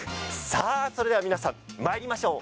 さあ、それでは皆さんまいりましょう！